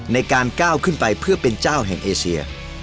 ในการก้าวขึ้นไปเพื่อเป็นเจ้าแห่งเอเซีย